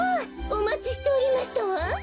おまちしておりましたわん。